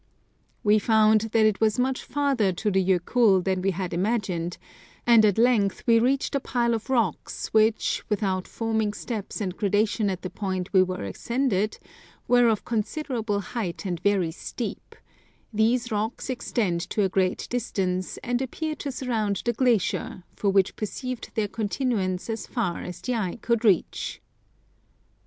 We found that it was much farther to the Jokull than we had imagined, and at length we reached a pile of rocks which, without forming steps and gradation at the point where we ascended, were of considerable height and very steep : these rocks extend to a great distance, and appear to surround the glacier, for we perceived their continuance as far as the eye could reach.